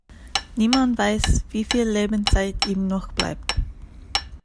Niemand weiß, wie viel Lebenszeit ihm noch bleibt.